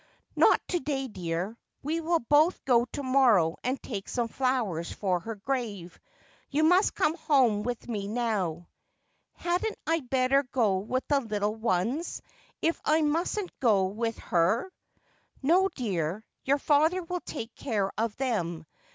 ' Not to day, dear. We will both go to morrow, and take eome flowers for her grave. You must come home with me now.' ' Hadn't I better go with the little ones, if I mustn't go with her?' ' No, dear, your father will take care of them.